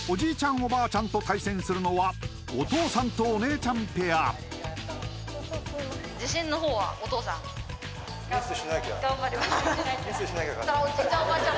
おばあちゃんと対戦するのはお父さんとお姉ちゃんペアお父さん頑張ります・おじいちゃん